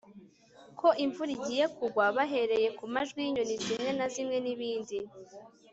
ko imvura igiye kugwa bahereye ku majwi y'inyoni zimwe na zimwen'ibindi